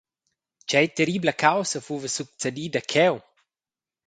Tgei terribla caussa fuva succedida cheu?